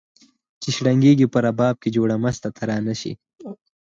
چي شرنګیږي په رباب کي جوړه مسته ترانه سي